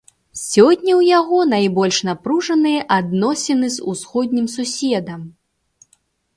Сёння ў яго найбольш напружаныя адносіны з усходнім суседам.